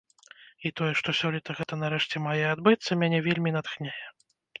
І тое, што сёлета гэта нарэшце мае адбыцца, мяне вельмі натхняе.